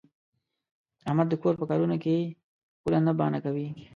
احمد د کور په کارونو کې پوله نه بانه کوي.